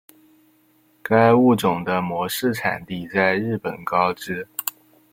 该物种的模式产地在日本高知。